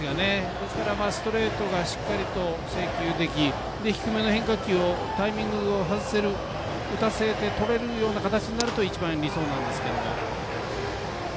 ですからストレートがしっかりと制球でき、低めの変化球をタイミングを外せる打たせてとれるようになると一番理想なんですけれども。